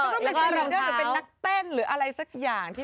ก็ต้องเป็นเชียร์ลีดเดอร์หรือเป็นนักเต้นหรืออะไรสักอย่าง